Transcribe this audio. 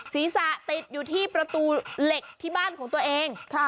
ศีรษะติดอยู่ที่ประตูเหล็กที่บ้านของตัวเอง